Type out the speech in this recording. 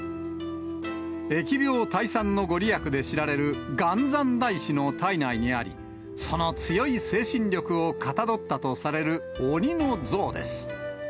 疫病退散の御利益で知られる元三大師の胎内にあり、その強い精神力をかたどったとされる鬼の像です。